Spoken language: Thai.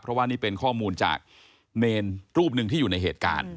เพราะว่านี่เป็นข้อมูลจากเนรรูปหนึ่งที่อยู่ในเหตุการณ์